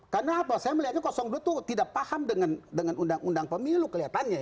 karena apa saya melihatnya dua itu tidak paham dengan undang undang pemilu kelihatannya